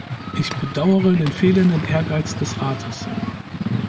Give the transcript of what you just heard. Ich bedauere den fehlenden Ehrgeiz des Rates.